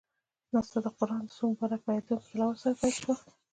ناسته د قرآن کريم څو مبارکو آیتونو پۀ تلاوت سره پيل شوه.